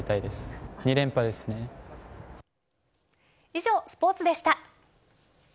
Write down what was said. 以上、スポーツでした。